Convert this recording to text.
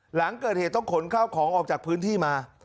หลังเกิดเหตุต้องขนข้าวของออกจากพื้นที่มา